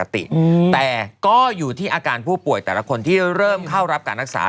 แต่ก็อยู่ที่อาการผู้ป่วยแต่ละคนที่เริ่มเข้ารับการรักษา